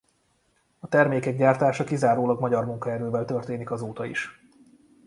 A termékek gyártása kizárólag magyar munkaerővel történik azóta is.